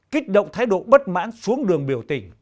kích động thái độ bất mãn xuống đường biểu tình